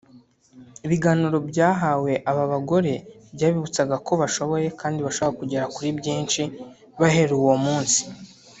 Ibiganiro byahawe aba bagore byabibutsaga ko bashoboye kandi bashobora kugera kuri byinshi bahereye uwo munsi